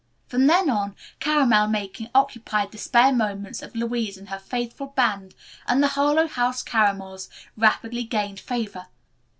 From then on, caramel making occupied the spare moments of Louise and her faithful band and the "Harlowe House Caramels" rapidly gained favor.